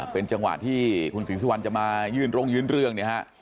เป็นจังหวัดที่คุณศรีสุวรรณจะมายื่นร่งยืนเรื่อง